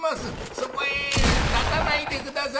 そこへ立たないで下さい。